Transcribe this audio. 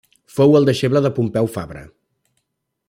Fou el deixeble de Pompeu Fabra.